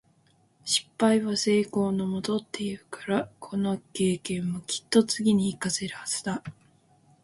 「失敗は成功のもと」って言うから、この経験もきっと次に活かせるはずだ。